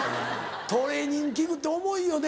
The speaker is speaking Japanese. トレーニング器具って重いよね。